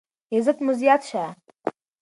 عزت مو زیات شه.